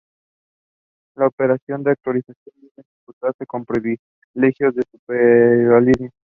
La operación de actualización debe ejecutarse con privilegios de superusuario.